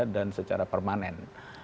dan secara permanen